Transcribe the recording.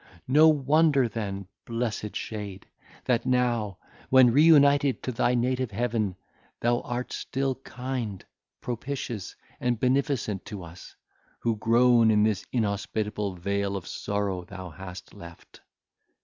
No wonder then, blessed shade, that now, when reunited to thy native heaven, thou art still kind, propitious, and beneficent to us, who groan in this inhospitable vale of sorrow thou hast left.